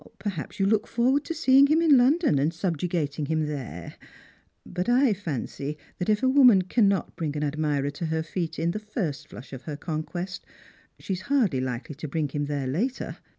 Perhaps you look forward to seeing him in London, and sulijugating him there; but \ fancy that if a woman, cannot bring an admirer to her feet in ihe first flush of her conquest, she is hardly likely to bring him ihere later.